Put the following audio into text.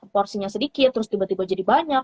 porsinya sedikit terus tiba tiba jadi banyak